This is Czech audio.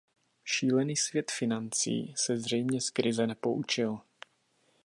Šílený svět financí se zřejmě z krize nepoučil.